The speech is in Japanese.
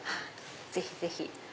ぜひぜひ。